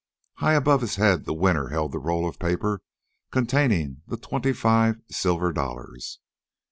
High above his head, the winner held the roll of paper containing the twenty five silver dollars.